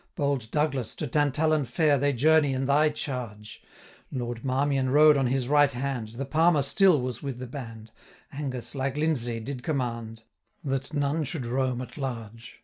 Bold Douglas! to Tantallon fair They journey in thy charge: 790 Lord Marmion rode on his right hand, The Palmer still was with the band; Angus, like Lindesay, did command, That none should roam at large.